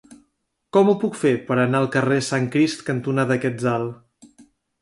Com ho puc fer per anar al carrer Sant Crist cantonada Quetzal?